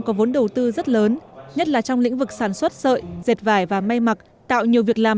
có vốn đầu tư rất lớn nhất là trong lĩnh vực sản xuất sợi dệt vải và may mặc tạo nhiều việc làm